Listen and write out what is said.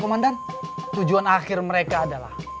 komandan tujuan akhir mereka adalah